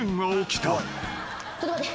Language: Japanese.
ちょっと待って。